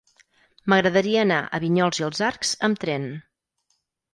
M'agradaria anar a Vinyols i els Arcs amb tren.